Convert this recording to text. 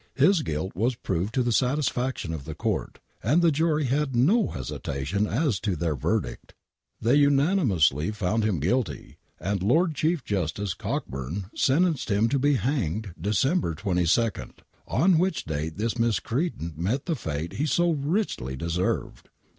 His guilt was proved to the satisfaction of the court, and the jury hi no hesitation as to their verdict. ' .t* . J WAIN WRIGHT MURDER II They unanimously found him guilty, and Lord Chief Justice Cockburn sentenced him to be hanged December 22nd, on which date this miscreant met the fate he so richly deserved.